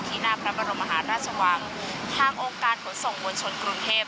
หน้าพระบรมมหาราชวังทางองค์การขนส่งมวลชนกรุงเทพ